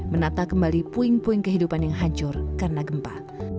menata kembali puing puing kehidupan yang hancur karena gempa